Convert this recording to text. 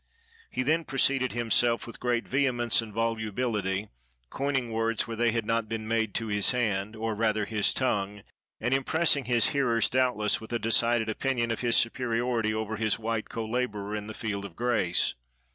He then proceeded himself, with great vehemence and volubility, coining words where they had not been made to his hand, or rather his tongue, and impressing his hearers, doubtless, with a decided opinion of his superiority over his white co laborer in the field of grace.